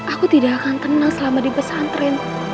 aku tidak akan tenang selama di pesantren